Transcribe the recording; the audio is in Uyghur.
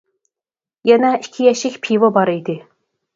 يەنە ئىككى يەشىك پىۋا بار ئىدى.